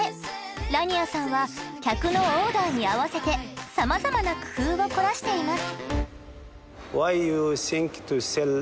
ラニアさんは客のオーダーに合わせてさまざまな工夫を凝らしています。